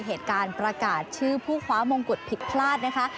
เหตุการณ์ประกาศชื่อผู้คว้ามงกุฎผิดพลาดนะคะ